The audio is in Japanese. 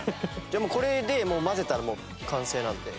もうこれで混ぜたらもう完成なんで。